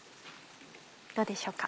どうでしょうか？